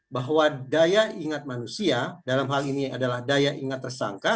bahwa daya ingat manusia dalam hal ini adalah daya ingat tersangka